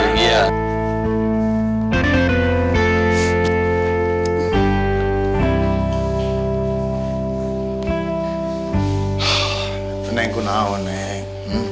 hah neng aku tau neng